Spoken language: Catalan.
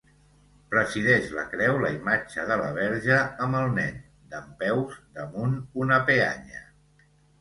Presideix la creu la imatge de la Verge amb el Nen, dempeus damunt una peanya.